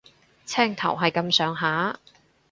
青頭係咁上下